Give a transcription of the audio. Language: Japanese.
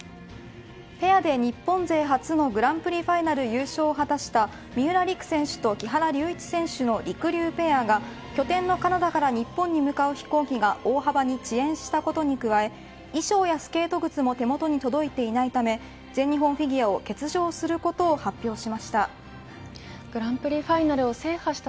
ペアで日本で初のグランプリファイナル優勝を果たした三浦璃来選手と木原龍一選手のりくりゅうペアが拠点のカナダから日本に向かう飛行機が大幅に遅延したことに加え衣装やスケート靴も手元に届いていないため全日本フィギュアを欠場することを発表しました。